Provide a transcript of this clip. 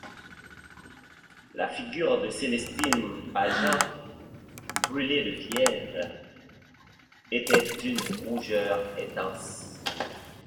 La figure de Célestine Pageant, brûlée de fièvre, était d'une rougeur intense.